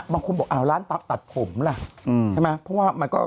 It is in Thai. บางคนบอกอ้าวร้านตัดผมล่ะใช่ไหมเพราะว่ามันก็